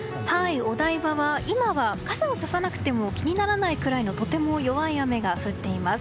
お台場は今は傘をささなくても気にならないくらいのとても弱い雨が降っています。